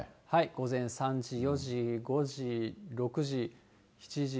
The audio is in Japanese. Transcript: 午前３時、４時、５時、６時、７時、８時、９時。